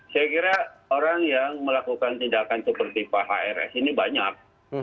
saya kira orang yang melakukan tindakan seperti pak hrs ini banyak